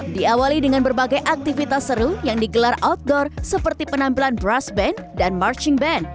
diawali dengan berbagai aktivitas seru yang digelar outdoor seperti penampilan brush band dan marching band